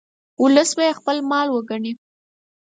ولس به یې خپل مال وګڼي.